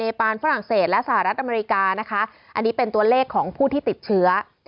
ปานฝรั่งเศสและสหรัฐอเมริกานะคะอันนี้เป็นตัวเลขของผู้ที่ติดเชื้อ